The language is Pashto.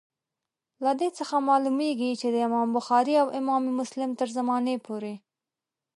له دې څخه معلومیږي چي د امام بخاري او امام مسلم تر زمانې پوري.